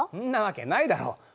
んなわけないだろう。